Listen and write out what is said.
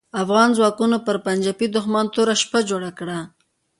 افغان ځواکونو پر پنجاپي دوښمن توره شپه جوړه کړه.